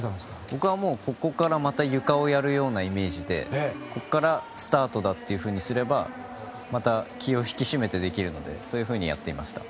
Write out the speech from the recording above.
僕はここからまたゆかをやるようなイメージでここからスタートだとすればまた気を引き締めてできるのでそういうふうにやっていました。